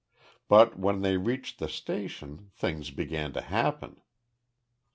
But when they reached the station, things began to happen.